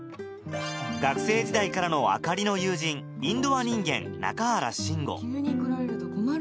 学生時代からの朱里の友人インドア人間仲原進吾